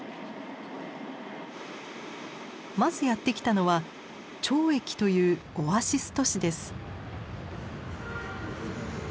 まずやって来たのは張掖というオアシス都市です。